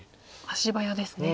足早ですね。